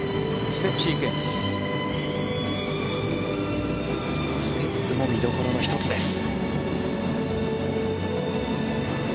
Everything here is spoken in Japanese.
ステップも見どころの１つです。